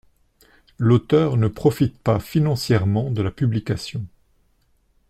L'auteur ne profite pas financièrement de la publication.